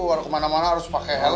keluar kemana mana harus pakai helm